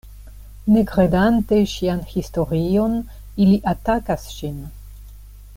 Ne kredante ŝian historion, ili atakas ŝin.